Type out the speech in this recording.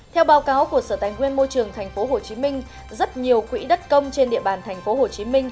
theo báo cáo của sở tài nguyên môi trường tp hcm rất nhiều quỹ đất công trên địa bàn tp hcm